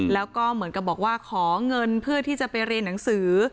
แล้วก็เหมือนกับบอกว่าขอเงินเพื่อที่จะไปเรียนหนังสือ